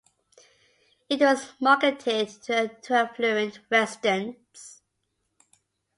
It was marketed to affluent residents.